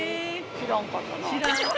知らんかった。